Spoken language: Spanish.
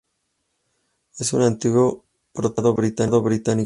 Es un antiguo protectorado británico.